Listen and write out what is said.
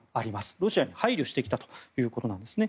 ロシアに配慮してきたということなんですね。